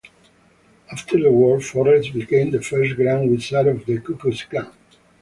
After the war, Forrest became the first Grand Wizard of the Ku Klux Klan.